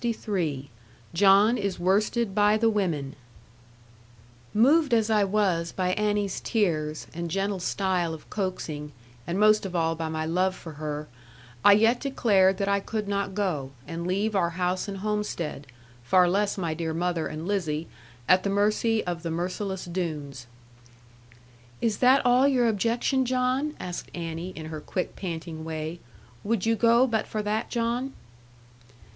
CHAPTER LXIII JOHN IS WORSTED BY THE WOMEN Moved as I was by Annie's tears, and gentle style of coaxing, and most of all by my love for her, I yet declared that I could not go, and leave our house and homestead, far less my dear mother and Lizzie, at the mercy of the merciless Doones. 'Is that all your objection, John?' asked Annie, in her quick panting way: 'would you go but for that, John?'